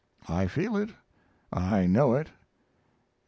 I feel it; I know it.